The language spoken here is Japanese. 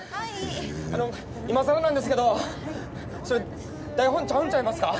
いまさらなんですけどそれ台本ちゃうんちゃいますか？